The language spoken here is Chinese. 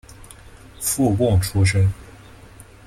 附贡出身。